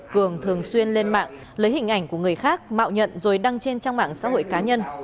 cường thường xuyên lên mạng lấy hình ảnh của người khác mạo nhận rồi đăng trên trang mạng xã hội cá nhân